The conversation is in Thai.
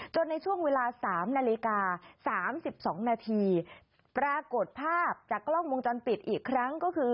ในช่วงเวลา๓นาฬิกา๓๒นาทีปรากฏภาพจากกล้องวงจรปิดอีกครั้งก็คือ